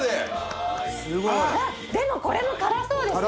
でもこれも辛そうですよ